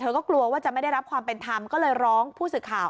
ก็กลัวว่าจะไม่ได้รับความเป็นธรรมก็เลยร้องผู้สื่อข่าว